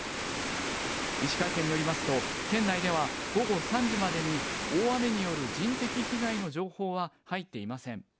石川県によりますと、県内では午後３時までに大雨による人的被害の情報は入っていません。